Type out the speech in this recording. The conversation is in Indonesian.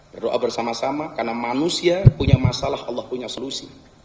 berdoa bersama sama karena manusia punya masalah allah punya solusi